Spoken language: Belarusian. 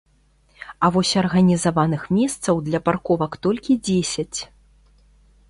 А вось арганізаваных месцаў для парковак толькі дзесяць.